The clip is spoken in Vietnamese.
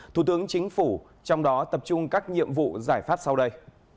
thủ tướng chính phủ trong đó tập trung các nhiệm vụ giải pháp sau đây